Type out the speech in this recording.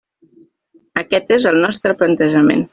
Aquest és el nostre plantejament.